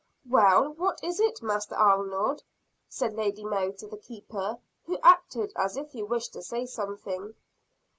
"Well, what is it, Master Arnold?" said Lady Mary to the keeper, who acted as if he wished to say something.